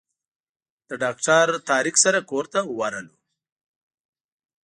له ډاکټر طارق سره کور ته ورغلو.